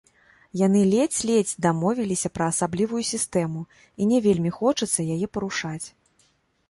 Яны ледзь-ледзь дамовіліся пра асаблівую сістэму, і не вельмі хочацца яе парушаць.